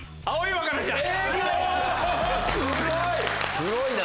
すごいな！